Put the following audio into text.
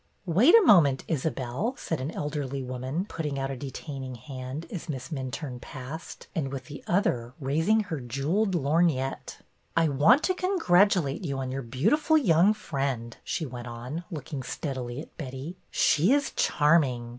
''Wait a moment, Isabelle," said an elderly woman, putting out a detaining hand as Miss Minturne passed, and with the other raising her jewelled lorgnette. " I want to congratulate you on your beautiful young friend," she went on, looking steadily at Betty. " She is charming.